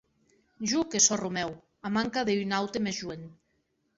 Jo que sò Romèu, a manca de un aute mès joen.